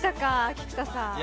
菊田さん。